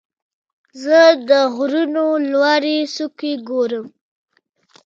زه د غرونو لوړې څوکې ګورم.